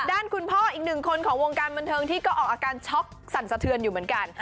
ด้านคุณพ่ออีกหนึ่งคนของวงการบันเทิงที่ก็ออกอาการช็อกสั่นสะเทือนอยู่เหมือนกัน